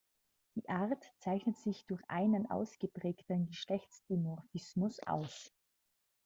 Die Art zeichnet sich durch einen ausgeprägten Geschlechtsdimorphismus aus.